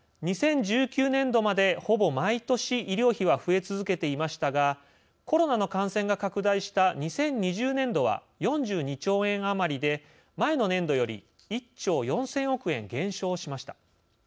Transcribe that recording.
２０１９年度までほぼ毎年医療費は増え続けていましたがコロナの感染が拡大した２０２０年度は４２兆円余りで前の年度より１兆４，０００億円減少しました。